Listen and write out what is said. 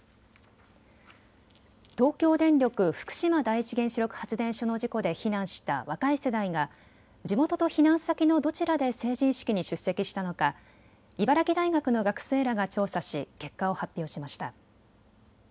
東京電力福島第一原子力発電所の事故で避難した若い世代が地元と避難先のどちらで成人式に出席したのか茨城大学の学生らが調査し結果を発表しました。